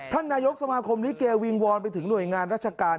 ท่านนายกสมาคมลิเกวิงวอนไปถึงหน่วยงานราชการ